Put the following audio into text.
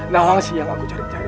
nawangsi yang aku cari cari